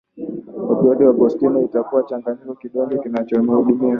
opioidi agonisti itakuwa kuchanganya kidonge kinachodumisha